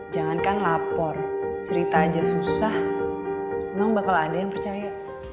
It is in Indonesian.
jangan kan lapor cerita aja susah memang bakal ada yang percaya